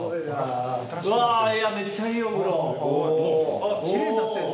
あきれいになったよね。